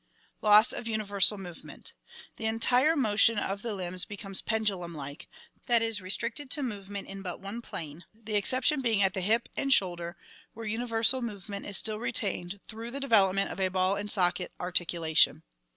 Loss of Universal Movement. — The entire mo tion of the limbs becomes pendulum like, that is, restricted to movement in but one plane, the ex ception being at the hip and shoulder, where uni versal movement is still retained through the de velopment of a ball and socket articulation.